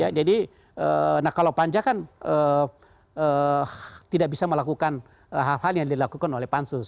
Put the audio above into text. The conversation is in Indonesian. ya jadi nah kalau panja kan tidak bisa melakukan hal hal yang dilakukan oleh pansus